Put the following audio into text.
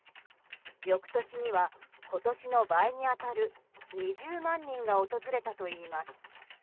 翌年には、今年の倍に当たる２０万人が訪れたといいます。